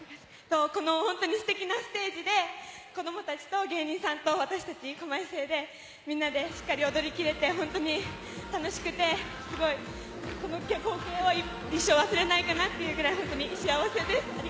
ステキなステージで子供たちと芸人さんと私達、狛江生でみんなでしっかり踊りきれて、本当に楽しくて、この光景を一生忘れないかなというくらい幸せです。